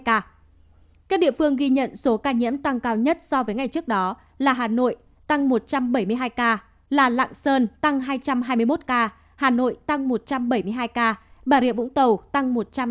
các địa phương ghi nhận số ca nhiễm tăng cao nhất so với ngày trước đó là hà nội tăng một trăm bảy mươi hai ca là lạng sơn tăng hai trăm hai mươi một ca hà nội tăng một trăm bảy mươi hai ca bà rịa vũng tàu tăng một trăm hai mươi ba